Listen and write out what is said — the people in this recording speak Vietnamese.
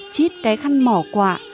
chít cái khăn mỏ quả